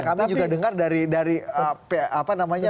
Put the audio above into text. karena kami juga dengar dari apa namanya